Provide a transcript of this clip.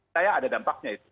saya ada dampaknya itu